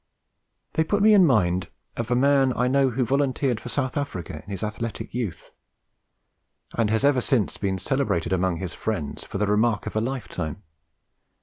They put me in mind of a man I know who volunteered for South Africa in his athletic youth, and has ever since been celebrated among his friends for the remark of a lifetime.